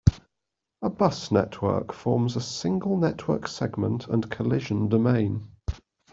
A bus network forms a single network segment and collision domain.